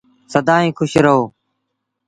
سدائيٚݩ کُش رهو۔